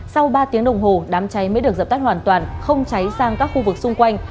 sau ba tiếng đồng hồ đám cháy mới được dập tắt hoàn toàn không cháy sang các khu vực xung quanh